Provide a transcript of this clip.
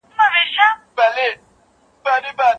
ټولني به خپل کلتوري ميراثونه ساتلي وي.